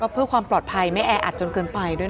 เพื่อความปลอดภัยไม่แออัดจนเกินไปด้วยนะ